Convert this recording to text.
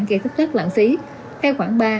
gây thất thoát lãng phí theo khoảng ba